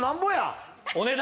お値段。